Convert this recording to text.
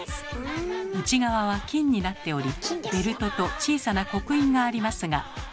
内側は金になっておりベルトと小さな刻印がありますが。